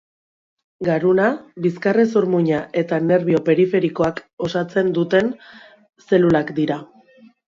Garuna, bizkarrezur-muina eta nerbio periferikoak osatzen duten zelulak dira.